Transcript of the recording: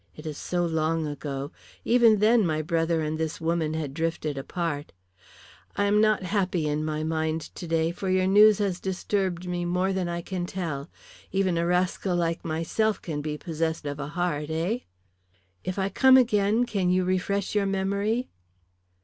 "It is so long ago. Even then my brother and this woman had drifted apart. I am not happy in my mind today, for your news has disturbed me more than I can tell. Even a rascal like myself can be possessed of a heart, eh?" "If I come again can you refresh your memory?"